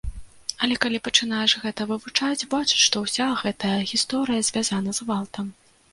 Але калі пачынаеш гэта вывучаць, бачыш, што ўся гэтая гісторыя звязана з гвалтам.